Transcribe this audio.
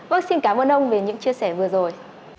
vâng xin cảm ơn ông về những chia sẻ vừa rồi